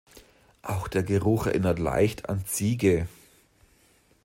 Auch der Geruch erinnert leicht an Ziege.